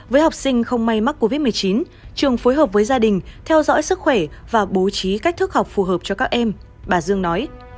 với học sinh không may mắc covid một mươi chín trường phối hợp với gia đình theo dõi sức khỏe và bố trí cách thức học phù hợp cho các em bà dương nói